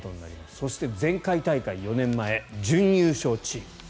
そして前回大会、４年前準優勝チーム。